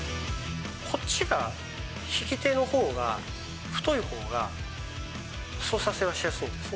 こっちが引き手のほうが太いほうが操作性はしやすいんですね。